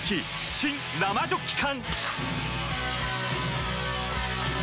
新・生ジョッキ缶！